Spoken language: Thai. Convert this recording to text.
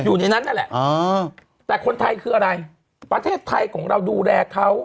อยู่ในนั้นนั่นแหละแต่คนไทยคืออะไรประเทศไทยของเราดูแลเขา